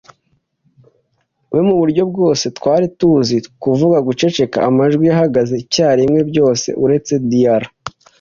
we muburyo twese twari tuzi kuvuga guceceka. Amajwi yahagaze icyarimwe, byose uretse Dr.